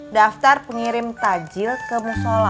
daftar pengirim tajil ke musola